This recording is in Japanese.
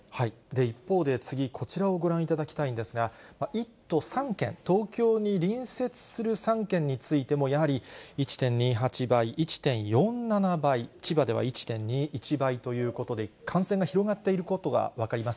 一方で、次、こちらをご覧いただきたいんですが、１都３県、東京に隣接する３県についてもやはり１．２８倍、１．４７倍、千葉では１．２１倍ということで、感染が広がっていることが分かります。